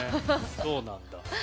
そうなんだ。